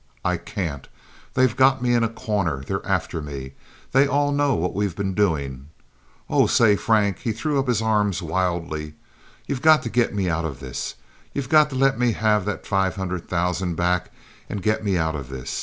"I can't! They've got me in a corner! They're after me! They all know what we've been doing. Oh, say, Frank"—he threw up his arms wildly—"you've got to get me out of this. You've got to let me have that five hundred thousand back and get me out of this.